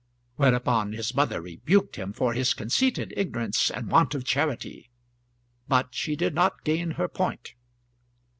Whereupon his mother rebuked him for his conceited ignorance and want of charity; but she did not gain her point.